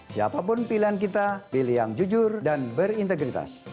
siapapun pilihan kita pilih yang jujur dan berintegritas